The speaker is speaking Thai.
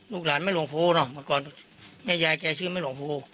ลูกหลานแม่หลงโภษเหรอก่อนแม่ญายแกชื่อแม่หลงโภษ